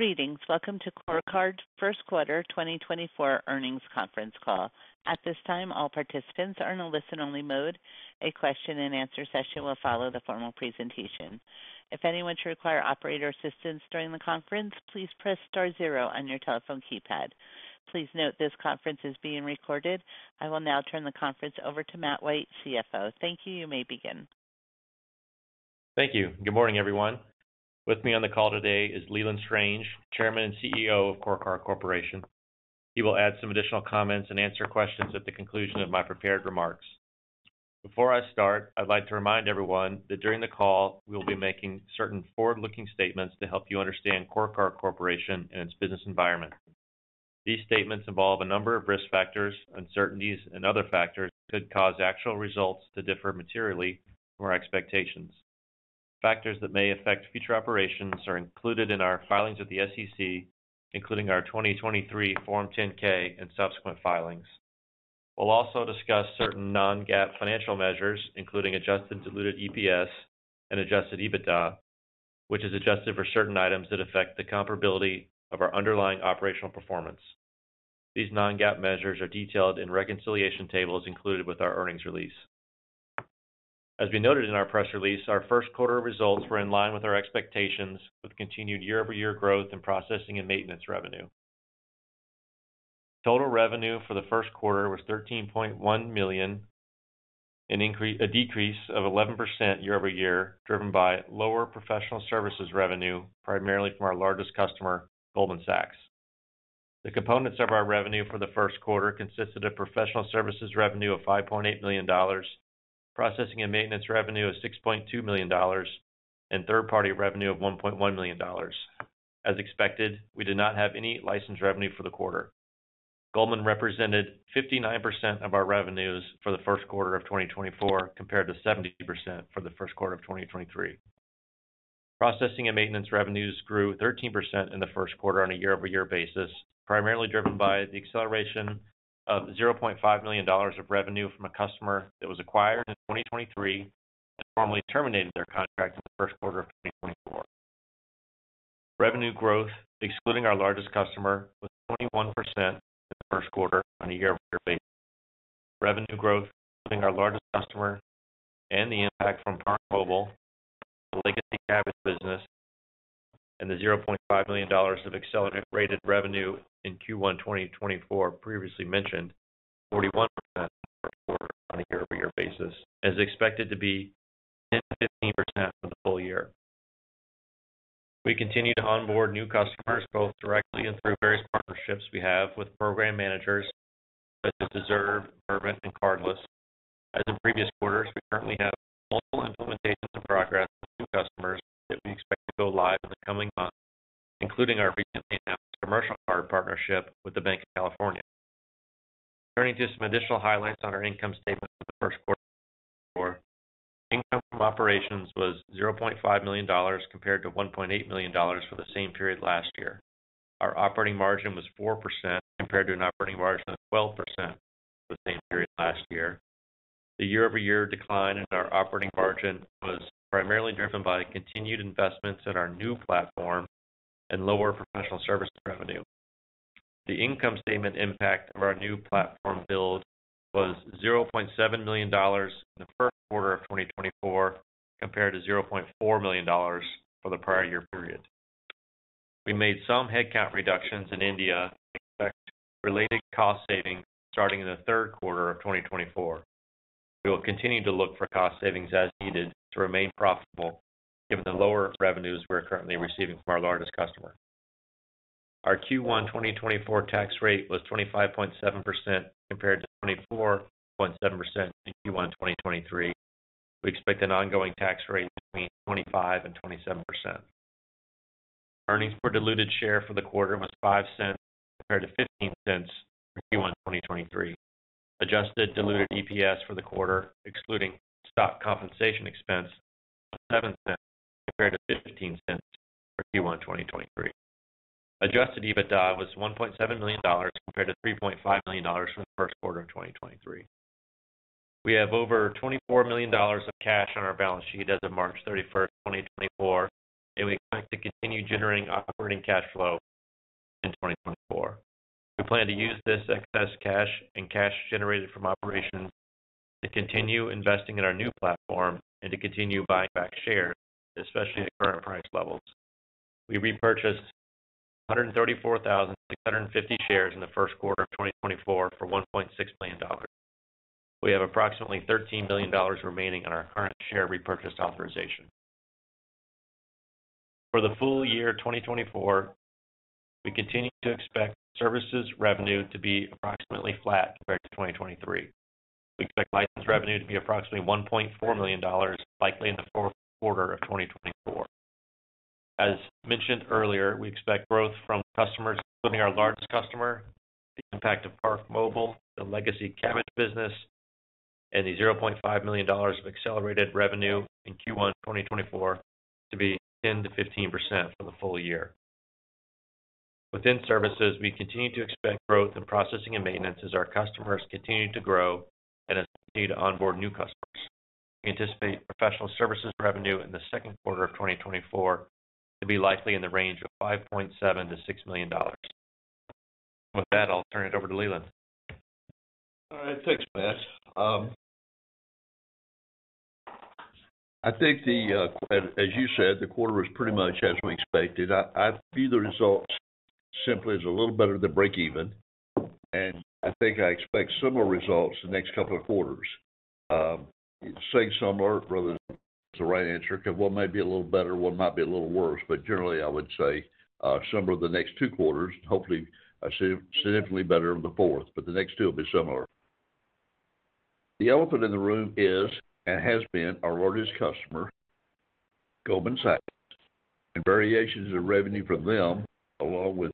Greetings. Welcome to CoreCard's first quarter 2024 earnings conference call. At this time, all participants are in a listen-only mode. A question-and-answer session will follow the formal presentation. If anyone should require operator assistance during the conference, please press star zero on your telephone keypad. Please note, this conference is being recorded. I will now turn the conference over to Matt White, CFO. Thank you. You may begin. Thank you. Good morning, everyone. With me on the call today is Leland Strange, Chairman and CEO of CoreCard Corporation. He will add some additional comments and answer questions at the conclusion of my prepared remarks. Before I start, I'd like to remind everyone that during the call, we'll be making certain forward-looking statements to help you understand CoreCard Corporation and its business environment. These statements involve a number of risk factors, uncertainties, and other factors that could cause actual results to differ materially from our expectations. Factors that may affect future operations are included in our filings with the SEC, including our 2023 Form 10-K and subsequent filings. We'll also discuss certain non-GAAP financial measures, including adjusted diluted EPS and adjusted EBITDA, which is adjusted for certain items that affect the comparability of our underlying operational performance. These non-GAAP measures are detailed in reconciliation tables included with our earnings release. As we noted in our press release, our first quarter results were in line with our expectations, with continued year-over-year growth in processing and maintenance revenue. Total revenue for the first quarter was $13.1 million, a decrease of 11% year over year, driven by lower professional services revenue, primarily from our largest customer, Goldman Sachs. The components of our revenue for the first quarter consisted of professional services revenue of $5.8 million, processing and maintenance revenue of $6.2 million, and third-party revenue of $1.1 million. As expected, we did not have any license revenue for the quarter. Goldman represented 59% of our revenues for the first quarter of 2024, compared to 70% for the first quarter of 2023. Processing and maintenance revenues grew 13% in the first quarter on a year-over-year basis, primarily driven by the acceleration of $0.5 million of revenue from a customer that was acquired in 2023 and formally terminated their contract in the first quarter of 2024. Revenue growth, excluding our largest customer, was 21% in the first quarter on a year-over-year basis. Revenue growth, including our largest customer and the impact from ParkMobile, the legacy Cabot business, and the $0.5 million of accelerated revenue in Q1 2024 previously mentioned, 41% on a year-over-year basis, as expected to be 10%-15% for the full year. We continue to onboard new customers, both directly and through various partnerships we have with program managers such as Deserve, Vervent, and Cardless. As in previous quarters, we currently have multiple implementations in progress with new customers that we expect to go live in the coming months, including our recently announced commercial card partnership with the Banc of California. Turning to some additional highlights on our income statement for the first quarter of 2024. Income from operations was $0.5 million, compared to $1.8 million for the same period last year. Our operating margin was 4%, compared to an operating margin of 12% for the same period last year. The year-over-year decline in our operating margin was primarily driven by continued investments in our new platform and lower professional services revenue. The income statement impact of our new platform build was $0.7 million in the first quarter of 2024, compared to $0.4 million for the prior year period. We made some headcount reductions in India and expect related cost savings starting in the third quarter of 2024. We will continue to look for cost savings as needed to remain profitable, given the lower revenues we're currently receiving from our largest customer. Our Q1 2024 tax rate was 25.7%, compared to 24.7% in Q1 2023. We expect an ongoing tax rate between 25% and 27%. Earnings per diluted share for the quarter was $0.05, compared to $0.15 for Q1 2023. Adjusted Diluted EPS for the quarter, excluding stock compensation expense, was $0.07, compared to $0.15 for Q1 2023. Adjusted EBITDA was $1.7 million, compared to $3.5 million from the first quarter of 2023. We have over $24 million of cash on our balance sheet as of March 31, 2024, and we expect to continue generating operating cash flow in 2024. We plan to use this excess cash and cash generated from operations to continue investing in our new platform and to continue buying back shares, especially at current price levels. We repurchased 134,650 shares in the first quarter of 2024 for $1.6 million. We have approximately $13 million remaining on our current share repurchase authorization. For the full year 2024, we continue to expect services revenue to be approximately flat compared to 2023. We expect license revenue to be approximately $1.4 million, likely in the fourth quarter of 2024. As mentioned earlier, we expect growth from customers, including our largest customer, the impact of ParkMobile, the legacy Cabot business, and the $0.5 million of accelerated revenue in Q1 2024 to be 10%-15% for the full year. Within services, we continue to expect growth in processing and maintenance as our customers continue to grow and as we need to onboard new customers. We anticipate professional services revenue in the second quarter of 2024 to be likely in the range of $5.7 million-$6 million. With that, I'll turn it over to Leland. All right, thanks, Matt. I think as you said, the quarter was pretty much as we expected. I view the results simply as a little better than breakeven, and I think I expect similar results the next couple of quarters. Say similar, rather than the right answer, because one may be a little better, one might be a little worse, but generally, I would say similar the next two quarters, hopefully significantly better in the fourth, but the next two will be similar. The elephant in the room is, and has been our largest customer, Goldman Sachs, and variations of revenue from them, along with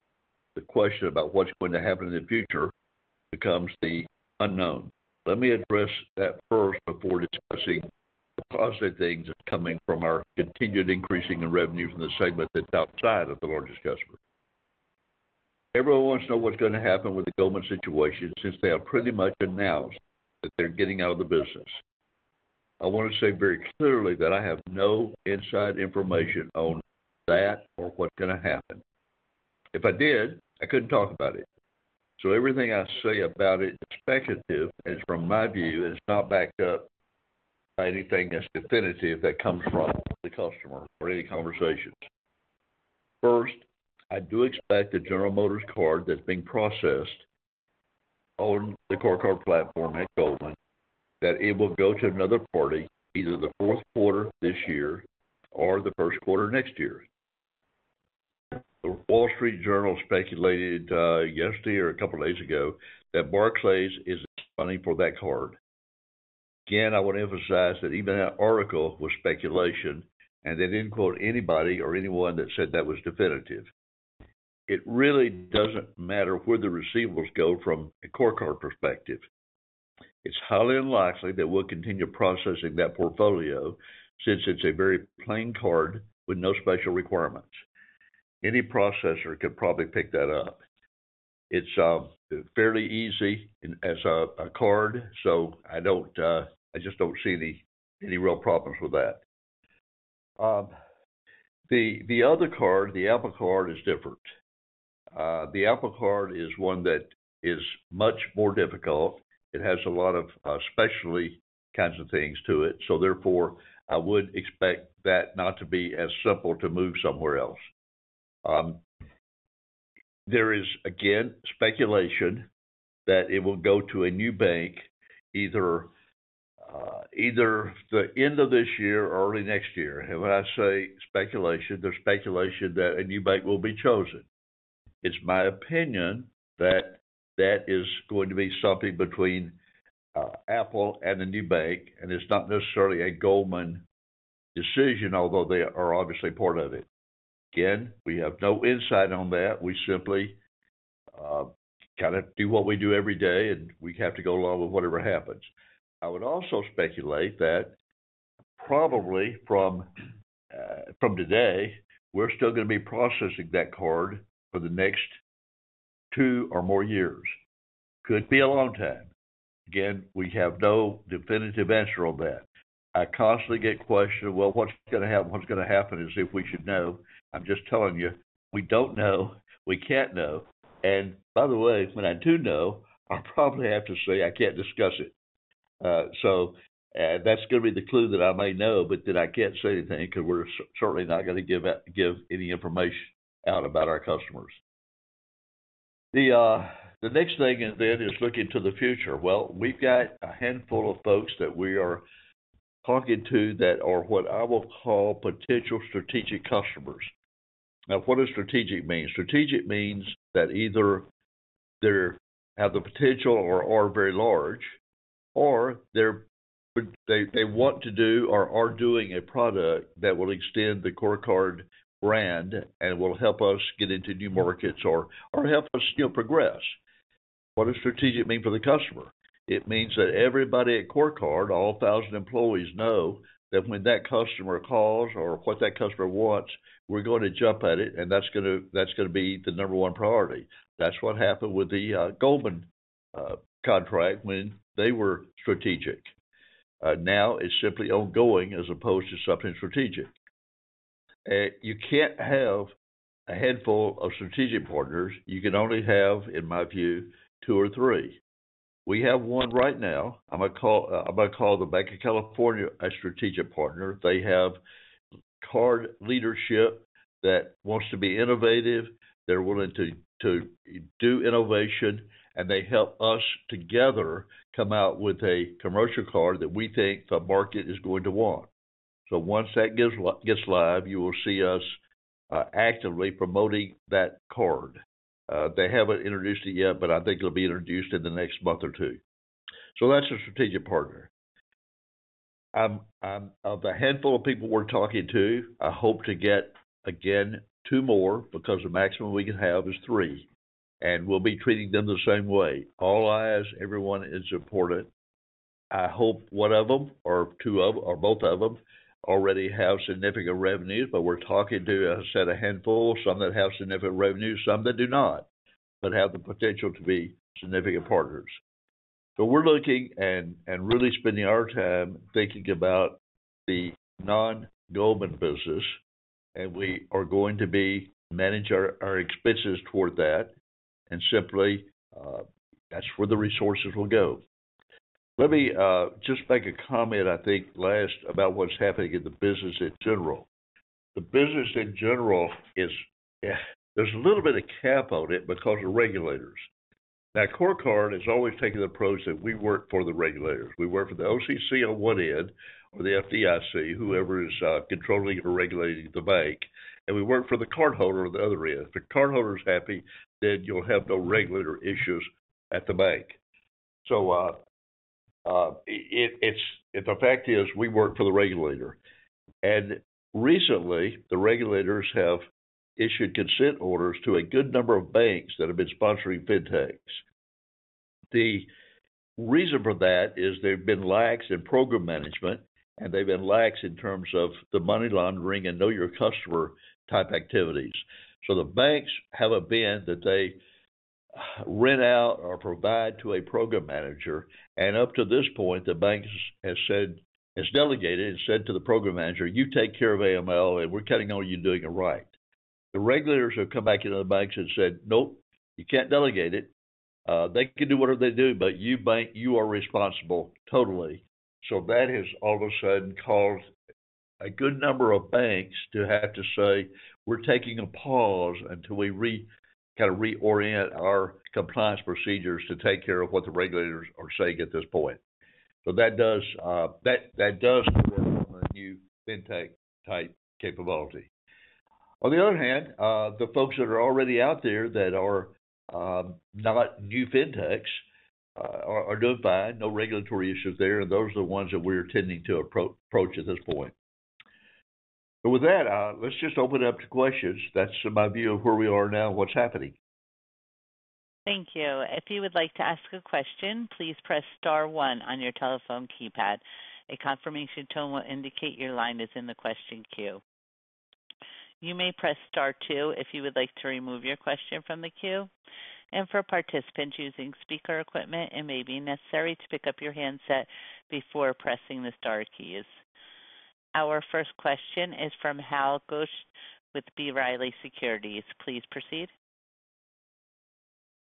the question about what's going to happen in the future, becomes the unknown. Let me address that first before discussing the positive things that's coming from our continued increasing in revenues in the segment that's outside of the largest customer. Everyone wants to know what's going to happen with the Goldman situation, since they have pretty much announced that they're getting out of the business. I want to say very clearly that I have no inside information on that or what's going to happen. If I did, I couldn't talk about it. So everything I say about it is speculative, and from my view, is not backed up by anything that's definitive that comes from the customer or any conversations. First, I do expect the General Motors card that's being processed on the CoreCard platform at Goldman, that it will go to another party, either the fourth quarter this year or the first quarter next year. The Wall Street Journal speculated yesterday or a couple of days ago that Barclays is running for that card. Again, I want to emphasize that even that article was speculation, and they didn't quote anybody or anyone that said that was definitive. It really doesn't matter where the receivables go from a CoreCard perspective. It's highly unlikely that we'll continue processing that portfolio since it's a very plain card with no special requirements. Any processor could probably pick that up. It's fairly easy as a card, so I just don't see any real problems with that. The other card, the Apple Card, is different. The Apple Card is one that is much more difficult. It has a lot of, specialty kinds of things to it, so therefore, I would expect that not to be as simple to move somewhere else. There is, again, speculation that it will go to a new bank, either, either the end of this year or early next year. And when I say speculation, there's speculation that a new bank will be chosen. It's my opinion that that is going to be something between, Apple and a new bank, and it's not necessarily a Goldman decision, although they are obviously part of it. Again, we have no insight on that. We simply, do what we do every day, and we have to go along with whatever happens. I would also speculate that probably from, from today, we're still going to be processing that card for the next two or more years. Could be a long time. Again, we have no definitive answer on that. I constantly get questioned, "Well, what's going to happen? What's going to happen," as if we should know. I'm just telling you, we don't know. We can't know. And by the way, when I do know, I'll probably have to say I can't discuss it. So, that's going to be the clue that I may know, but then I can't say anything because we're certainly not going to give out any information out about our customers. The next thing is then looking to the future. Well, we've got a handful of folks that we are talking to that are what I will call potential strategic customers. Now, what does strategic mean? Strategic means that either they have the potential or are very large, or they want to do or are doing a product that will extend the CoreCard brand and will help us get into new markets or help us, you know, progress. What does strategic mean for the customer? It means that everybody at CoreCard, all 1,000 employees, know that when that customer calls or what that customer wants, we're going to jump at it, and that's gonna, that's gonna be the number one priority. That's what happened with the Goldman contract when they were strategic. Now it's simply ongoing as opposed to something strategic. You can't have a handful of strategic partners. You can only have, in my view, two or three. We have one right now. I'm gonna call, I'm gonna call the Banc of California a strategic partner. They have card leadership that wants to be innovative, they're willing to do innovation, and they help us together come out with a commercial card that we think the market is going to want. So once that gets live, you will see us actively promoting that card. They haven't introduced it yet, but I think it'll be introduced in the next month or two. So that's a strategic partner. Of the handful of people we're talking to, I hope to get, again, two more, because the maximum we can have is three, and we'll be treating them the same way. All eyes, everyone is important. I hope one of them or two of them or both of them already have significant revenues, but we're talking to, I said, a handful, some that have significant revenues, some that do not, but have the potential to be significant partners. So we're looking and really spending our time thinking about the non-Goldman business, and we are going to manage our expenses toward that, and simply, that's where the resources will go. Let me just make a comment, I think, last about what's happening in the business in general. The business in general is, there's a little bit of cap on it because of regulators. Now, CoreCard has always taken the approach that we work for the regulators. We work for the OCC on one end, or the FDIC, whoever is controlling or regulating the bank, and we work for the cardholder on the other end. If the cardholder is happy, then you'll have no regulator issues at the bank. So, the fact is, we work for the regulator. Recently, the regulators have issued consent orders to a good number of banks that have been sponsoring fintechs. The reason for that is there have been lags in program management, and they've been lax in terms of the money laundering and know your customer type activities. So the banks have a BIN that they rent out or provide to a program manager, and up to this point, the bank has said, has delegated and said to the program manager, "You take care of AML, and we're counting on you doing it right." The regulators have come back into the banks and said, "Nope, you can't delegate it. They can do whatever they do, but you bank, you are responsible, totally." So that has all of a sudden caused a good number of banks to have to say, "We're taking a pause until we kinda reorient our compliance procedures to take care of what the regulators are saying at this point." So that does give them a new fintech-type capability. On the other hand, the folks that are already out there that are not new fintechs are doing fine. No regulatory issues there, and those are the ones that we're tending to approach at this point. But with that, let's just open it up to questions. That's my view of where we are now and what's happening. Thank you. If you would like to ask a question, please press star one on your telephone keypad. A confirmation tone will indicate your line is in the question queue. You may press star two if you would like to remove your question from the queue, and for participants using speaker equipment, it may be necessary to pick up your handset before pressing the star keys. Our first question is from Hal Goetsch with B. Riley Securities. Please proceed.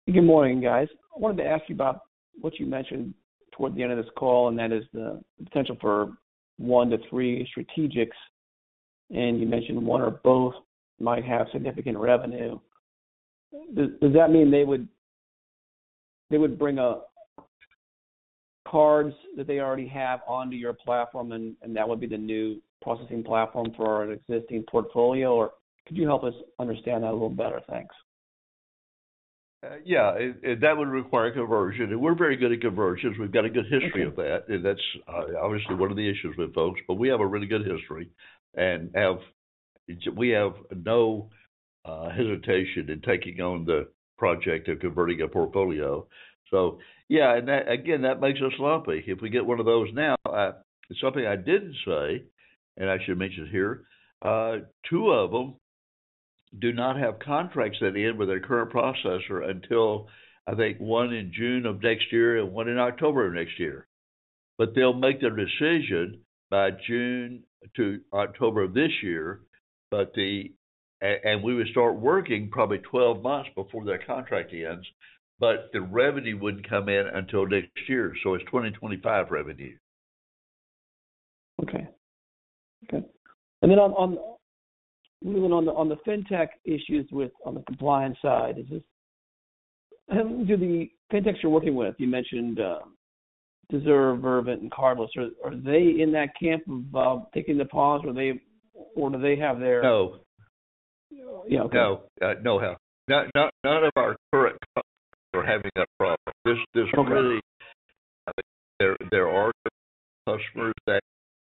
Good morning, guys. I wanted to ask you about what you mentioned toward the end of this call, and that is the potential for one to three strategics, and you mentioned one or both might have significant revenue. Does that mean they would bring up cards that they already have onto your platform, and that would be the new processing platform for an existing portfolio, or could you help us understand that a little better? Thanks. Yeah, and that would require conversion, and we're very good at conversions. We've got a good history of that, and that's obviously one of the issues with folks. But we have a really good history. We have no hesitation in taking on the project of converting a portfolio. So, yeah, and that, again, that makes us lumpy. If we get one of those now, something I didn't say, and I should mention it here, two of them do not have contracts that end with their current processor until, I think, one in June of next year and one in October of next year. But they'll make their decision by June to October of this year, but the... And we would start working probably 12 months before their contract ends, but the revenue wouldn't come in until next year, so it's 2025 revenue. Okay. Okay. And then moving on to the fintech issues with, on the compliance side, is this, do the fintechs you're working with—you mentioned Deserve, Vervent, and Cardless—are they in that camp of taking the pause, or do they have their- No. Yeah, okay. No, Hal. None of our current customers are having that problem. There are customers that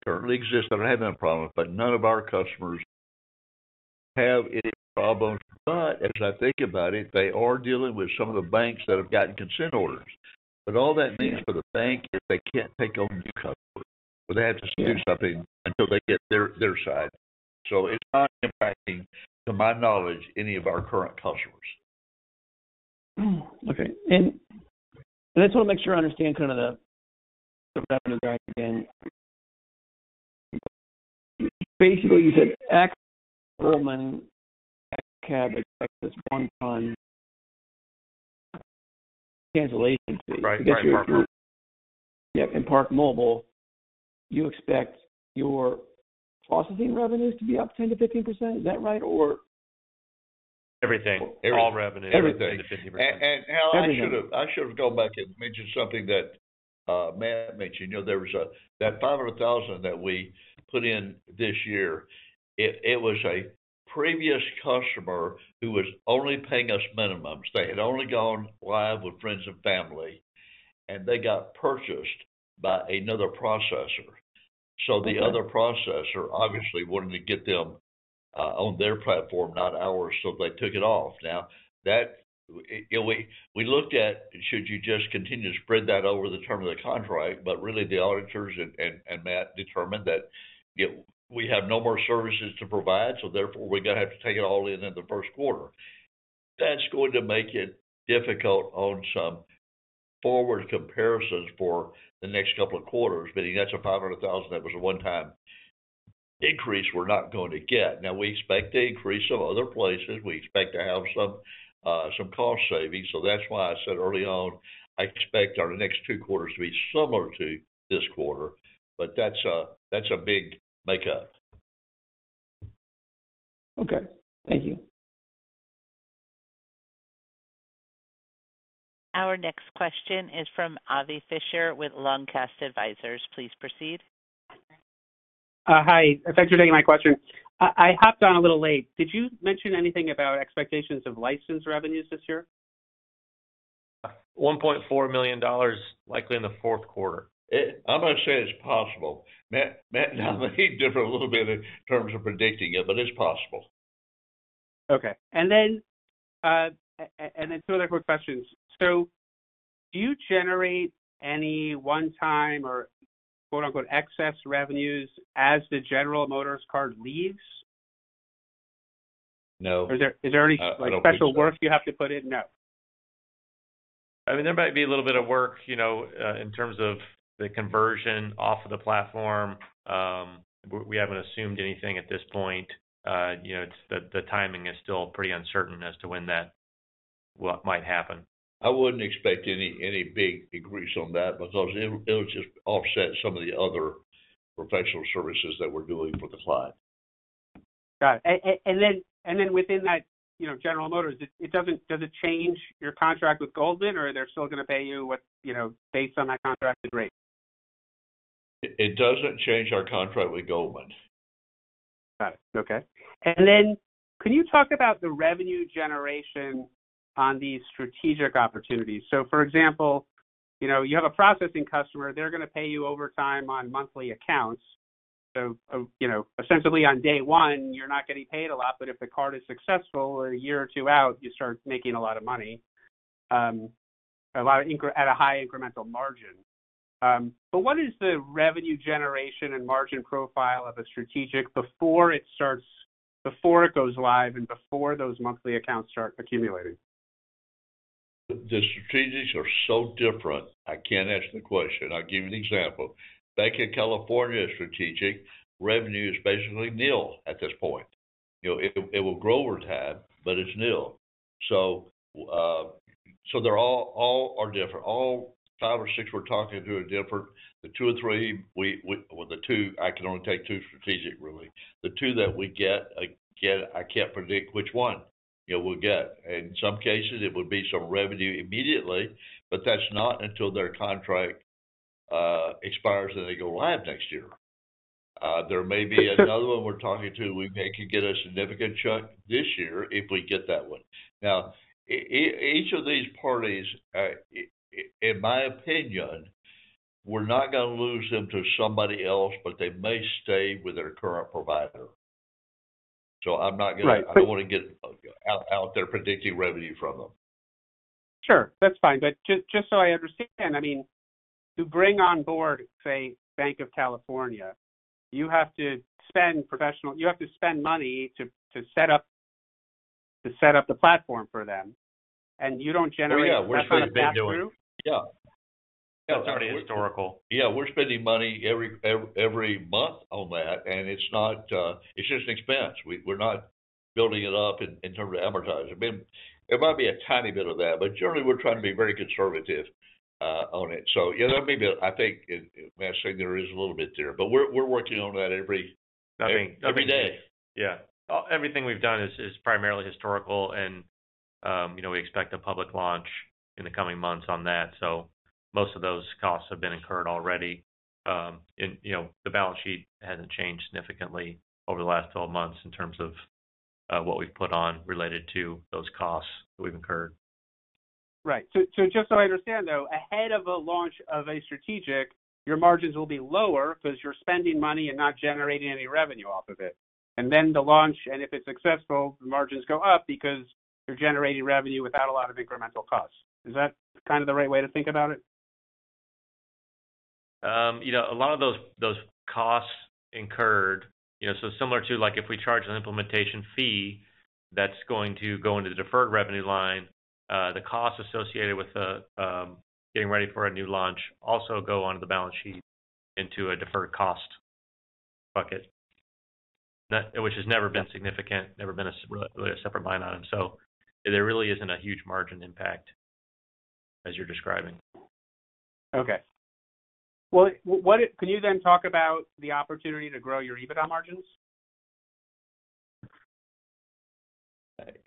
currently exist that are having a problem, but none of our customers have any problems. But as I think about it, they are dealing with some of the banks that have gotten consent orders. But all that means for the bank is they can't take on new customers, but they have to do something until they get their side. So it's not impacting, to my knowledge, any of our current customers. Okay, and I just want to make sure I understand kind of the round again. Basically, you said ex-Goldman, ex-Cabot, ex, one-time cancellation fee. Right. Right. Yep, and ParkMobile, you expect your processing revenues to be up 10%-15%? Is that right or? Everything. Everything. All revenue. Everything. 10%-15%. Hal, I should have gone back and mentioned something that Matt mentioned. You know, there was a—that $500,000 that we put in this year, it was a previous customer who was only paying us minimums. They had only gone live with friends and family, and they got purchased by another processor. So the other processor obviously wanted to get them on their platform, not ours, so they took it off. Now, you know, we looked at, should you just continue to spread that over the term of the contract? But really, the auditors and Matt determined that, you know, we have no more services to provide, so therefore, we're going to have to take it all in in the first quarter. That's going to make it difficult on some forward comparisons for the next couple of quarters. But that's a $500,000 that was a one-time increase we're not going to get. Now, we expect to increase some other places. We expect to have some, some cost savings. So that's why I said early on, I expect our next two quarters to be similar to this quarter, but that's a, that's a big makeup. Okay, thank you. Our next question is from Avi Fischer with Longcast Advisors. Please proceed. Hi. Thanks for taking my question. I hopped on a little late. Did you mention anything about expectations of license revenues this year? $1.4 million, likely in the fourth quarter. I'm going to say it's possible. Matt, Matt and I may differ a little bit in terms of predicting it, but it's possible. Okay. And then two other quick questions. So do you generate any one time or "excess revenues" as the General Motors card leaves? No. Or is there any- I don't think so.... like, special work you have to put in? No. I mean, there might be a little bit of work, you know, in terms of the conversion off of the platform. We haven't assumed anything at this point. You know, it's the timing is still pretty uncertain as to when that... What might happen. I wouldn't expect any big increase on that because it would just offset some of the other professional services that we're doing for the client. Got it. And then within that, you know, General Motors, it doesn't—does it change your contract with Goldman, or they're still going to pay you what, you know, based on that contracted rate? It doesn't change our contract with Goldman. Got it. Okay. Then can you talk about the revenue generation on these strategic opportunities? So for example, you know, you have a processing customer, they're going to pay you over time on monthly accounts. So, you know, ostensibly on day one, you're not getting paid a lot, but if the card is successful a year or two out, you start making a lot of money at a high incremental margin. But what is the revenue generation and margin profile of a strategic before it starts, before it goes live and before those monthly accounts start accumulating? The strategics are so different. I can't answer the question. I'll give you an example. Banc of California strategic revenue is basically nil at this point. You know, it, it will grow over time, but it's nil. So, so they're all, all are different. All five or six we're talking to are different. The two or three we... Well, the two, I can only take two strategic really. The two that we get, again, I can't predict which one, you know, we'll get. In some cases it would be some revenue immediately, but that's not until their contract expires, and they go live next year. There may be another one we're talking to. We may could get a significant chunk this year if we get that one. Now, each of these parties are, in my opinion, we're not going to lose them to somebody else, but they may stay with their current provider. So I'm not gonna- Right, but-... I don't want to get out there predicting revenue from them. Sure, that's fine. But just so I understand, I mean, to bring on board, say, Banc of California, you have to spend money to set up the platform for them, and you don't generate- Oh, yeah that kind of pass-through? Yeah. Yeah, it's already historical. Yeah, we're spending money every month on that, and it's not; it's just an expense. We're not building it up in terms of amortizing. I mean, there might be a tiny bit of that, but generally, we're trying to be very conservative on it. So, yeah, there may be, I think, as Matt said, there is a little bit there, but we're working on that every- I mean- -every day. Yeah. Everything we've done is primarily historical and, you know, we expect a public launch in the coming months on that, so most of those costs have been incurred already. You know, the balance sheet hasn't changed significantly over the last 12 months in terms of what we've put on related to those costs that we've incurred. Right. So, so just so I understand, though, ahead of a launch of a strategic, your margins will be lower because you're spending money and not generating any revenue off of it. And then the launch, and if it's successful, the margins go up because you're generating revenue without a lot of incremental costs. Is that kind of the right way to think about it? You know, a lot of those, those costs incurred, you know, so similar to like if we charge an implementation fee, that's going to go into the deferred revenue line, the costs associated with the getting ready for a new launch also go onto the balance sheet into a deferred cost bucket, which has never been significant, never been a separate line item. So there really isn't a huge margin impact as you're describing. Okay. Well, can you then talk about the opportunity to grow your EBITDA margins?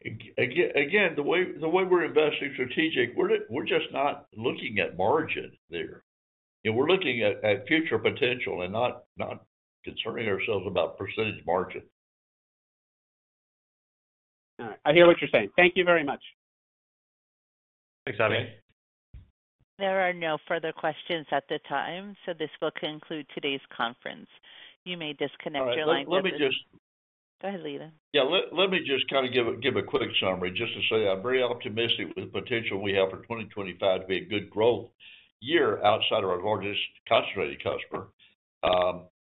Again, the way we're investing strategic, we're just not looking at margin there. You know, we're looking at future potential and not concerning ourselves about percentage margin. I hear what you're saying. Thank you very much. Thanks, Avi. There are no further questions at the time, so this will conclude today's conference. You may disconnect your line. All right. Let me just- Go ahead, Leland. Yeah. Let me just kind of give a quick summary, just to say I'm very optimistic with the potential we have for 2025 to be a good growth year outside of our largest concentrated customer.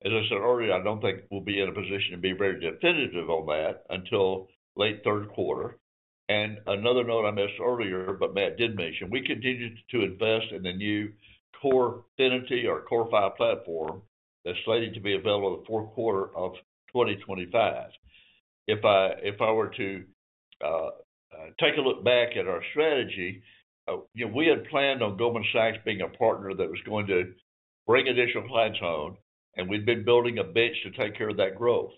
As I said earlier, I don't think we'll be in a position to be very definitive on that until late third quarter. And another note I missed earlier, but Matt did mention, we continued to invest in the new CoreFinity or CoreFi platform that's slated to be available in the fourth quarter of 2025. If I were to take a look back at our strategy, you know, we had planned on Goldman Sachs being a partner that was going to bring additional clients on, and we've been building a bench to take care of that growth.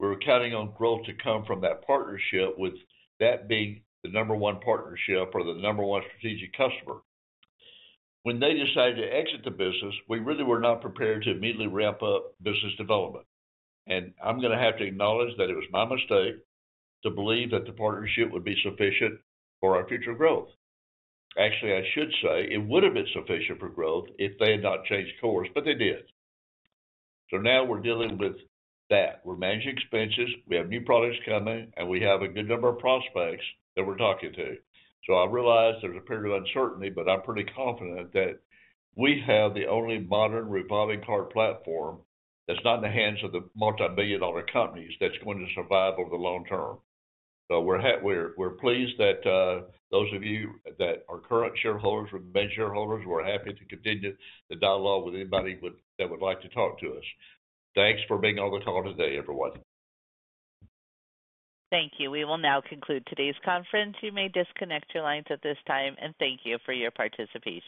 We were counting on growth to come from that partnership, with that being the number one partnership or the number one strategic customer. When they decided to exit the business, we really were not prepared to immediately ramp up business development. And I'm gonna have to acknowledge that it was my mistake to believe that the partnership would be sufficient for our future growth. Actually, I should say, it would have been sufficient for growth if they had not changed course, but they did. So now we're dealing with that. We're managing expenses, we have new products coming, and we have a good number of prospects that we're talking to. So I realize there's a period of uncertainty, but I'm pretty confident that we have the only modern revolving card platform that's not in the hands of the multibillion-dollar companies that's going to survive over the long term. So we're pleased that those of you that are current shareholders remain shareholders. We're happy to continue the dialogue with anybody that would like to talk to us. Thanks for being on the call today, everyone. Thank you. We will now conclude today's conference. You may disconnect your lines at this time, and thank you for your participation.